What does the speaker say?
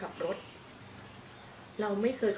แล้วบอกว่าไม่รู้นะ